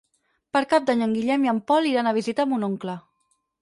Per Cap d'Any en Guillem i en Pol iran a visitar mon oncle.